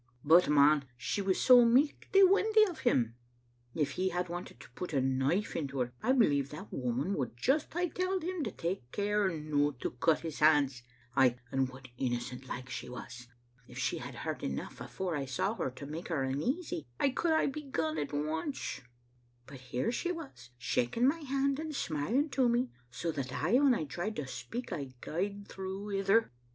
" But, man, she was so michty windy o* him. If he had wanted to put a knife into her, I believe that woman would just hae telled him to take care no to cut his hands. Ay, and what innocent like she was! If she had heard enough, afore I saw her, to make her uneasy, I could hae begun at once; but here she was, shaking my hand and smiling to me, so that aye when I tried to speak I gaed through ither.